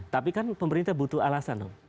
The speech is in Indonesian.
tapi kan pemerintah butuh alasan dong